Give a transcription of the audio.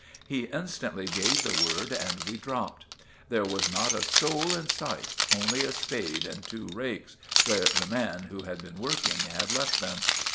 He instantly gave the word and we dropped. There was not a soul in sight—only a spade and two rakes, where the man who had been working had left them.